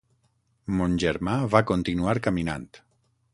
Mon germà va continuar caminant.